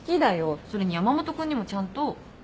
それに山本君にもちゃんと。